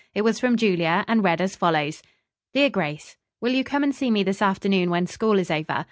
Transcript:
It was from Julia, and read as follows: "DEAR GRACE: "Will you come and see me this afternoon when school is over?